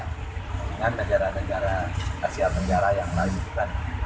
dengan negara negara asia tenggara yang lain bukan